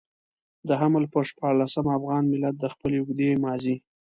د حمل پر شپاړلسمه افغان ملت د خپلې اوږدې ماضي.